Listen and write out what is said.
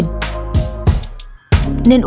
nên uống nước dừa